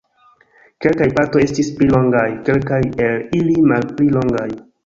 Kelkaj partoj estis pli longaj, kelkaj el ili malpli longaj.